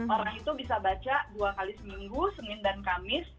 orang itu bisa baca dua kali seminggu senin dan kamis